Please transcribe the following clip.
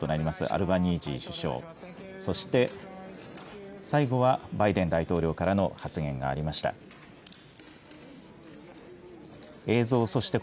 アルバニージー首相、そして最後はバイデン大統領からの発言がありました。